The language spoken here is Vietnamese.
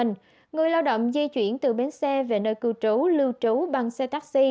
người lao động di chuyển từ bến xe về nơi cư trú lưu trú bằng xe taxi